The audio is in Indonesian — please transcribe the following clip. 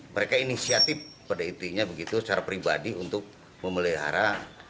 mereka inisiatif pada intinya begitu secara pribadi untuk memelihara